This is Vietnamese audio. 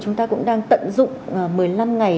chúng ta cũng đang tận dụng một mươi năm ngày